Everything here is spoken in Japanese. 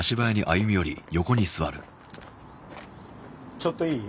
ちょっといい？